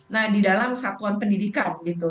nah di dalam satuan pendidikan gitu